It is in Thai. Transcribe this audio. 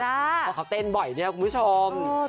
เพราะเขาเต้นบ่อยเนี่ยคุณผู้ชม